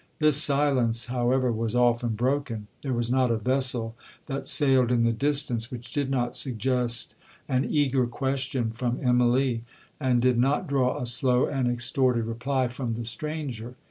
This silence, however, was often broken. There was not a vessel that sailed in the distance which did not suggest an eager question from Immalee, and did not draw a slow and extorted reply from the stranger.